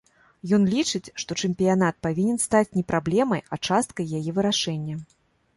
Ён лічыць, што чэмпіянат павінен стаць не праблемай, а часткай яе вырашэння.